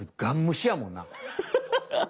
ハハハハ！